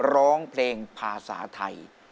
ร้องเพลงภาษาไทย